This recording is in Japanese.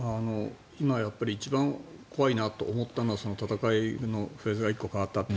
今一番怖いなと思ったのは戦いのフェーズが１個変わったと。